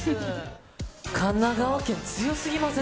神奈川県、強すぎません？